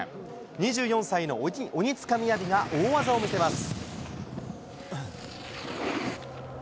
２４歳の鬼塚雅が大技を見せます。